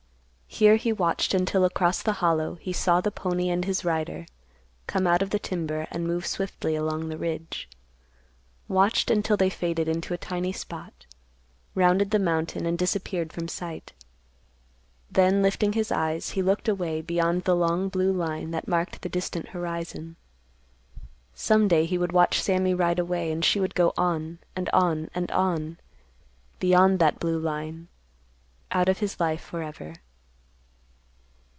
Here he watched until across the Hollow he saw the pony and his rider come out of the timber and move swiftly along the ridge; watched until they faded into a tiny spot, rounded the mountain and disappeared from sight. Then, lifting his eyes, he looked away beyond the long blue line that marked the distant horizon. Some day he would watch Sammy ride away and she would go on, and on, and on, beyond that blue line, put of his life forever.